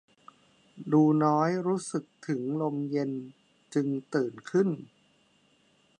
ดูน้อยรู้สึกถึงลมเย็นจึงตื่นขึ้น